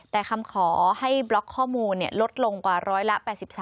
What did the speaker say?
แต่คำขอให้บล็อกข้อมูลลดลงกว่าร้อยละ๘๓